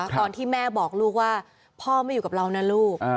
ตอนที่แม่บอกลูกว่าพ่อไม่อยู่กับเรานะลูก